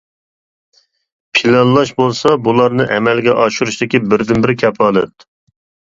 پىلانلاش بولسا بۇلارنى ئەمەلگە ئاشۇرۇشتىكى بىردىنبىر كاپالەت.